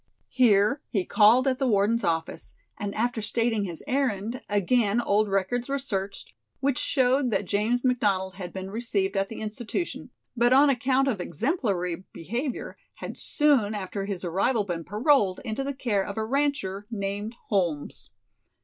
Here he called at the warden's office, and after stating his errand, again old records were searched, which showed that James McDonald had been received at the institution, but on account of exemplary behavior had soon after his arrival been paroled into the care of a rancher named Holmes.